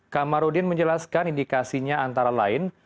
kamarudin menjelaskan indikasinya antara lain